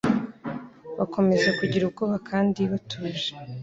bakomeza kugira ubwoba kandi batuje.